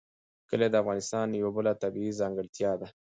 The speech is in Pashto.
کلي د افغانستان یوه بله طبیعي ځانګړتیا ده.